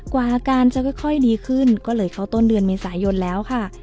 อาการจะค่อยดีขึ้นก็เลยเข้าต้นเดือนเมษายนแล้วค่ะ